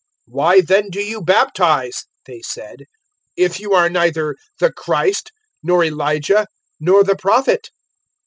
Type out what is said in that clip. "Why then do you baptize," they said, "if you are neither the Christ nor Elijah nor the Prophet?"